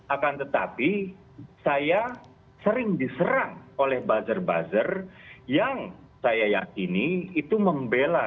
akan tetapi saya sering diserang oleh buzzer buzzer yang saya yakini itu membela